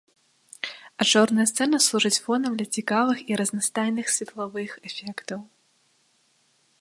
А чорная сцэна служыць фонам для цікавых і разнастайных светлавых эфектаў.